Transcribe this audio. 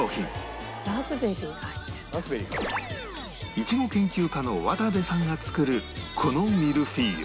イチゴ研究家の渡部さんが作るこのミルフィーユ